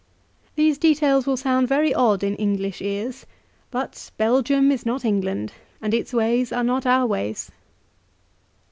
These details will sound very odd in English ears, but Belgium is not England, and its ways are not our ways.